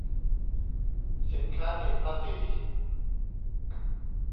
สินค้าหนีภาษี